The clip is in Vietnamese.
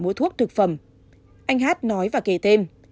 mua thuốc thực phẩm anh hát nói và kể thêm